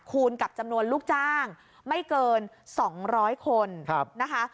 กับจำนวนลูกจ้างไม่เกิน๒๐๐คนนะคะ